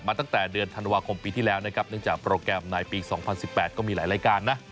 ตั้งแต่เดือนธันวาคมปีที่แล้วนะครับเนื่องจากโปรแกรมในปี๒๐๑๘ก็มีหลายรายการนะ